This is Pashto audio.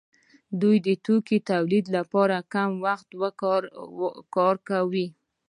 دوی د توکو تولید لپاره کم وخت ورکاوه.